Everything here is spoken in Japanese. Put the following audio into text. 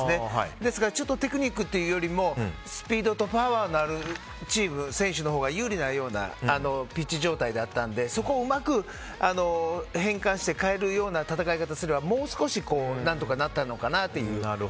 ですからちょっとテクニックというよりスピードとパワーのあるチーム、選手のほうが有利なようなピッチ状態だったのでそこをうまく変換して変えるような戦い方をすればもう少し何とかなったのかなという。